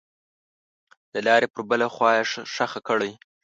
دلارې پر بله خوا یې ښخه کړئ.